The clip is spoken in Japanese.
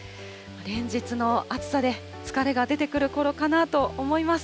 連日の暑さで疲れが出てくるころかなと思います。